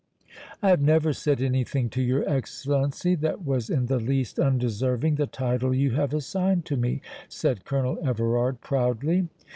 "I have never said any thing to your Excellency that was in the least undeserving the title you have assigned to me," said Colonel Everard, proudly.